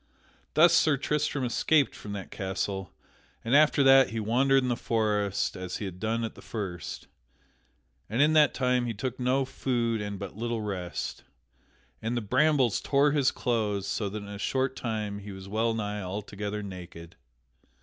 Thus Sir Tristram escaped from that castle and after that he wandered in the forest as he had done at the first. And in that time he took no food and but little rest. And the brambles tore his clothes, so that in a short time he was wellnigh altogether naked.